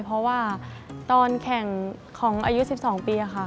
เพราะว่าตอนแข่งของอายุ๑๒ปีค่ะ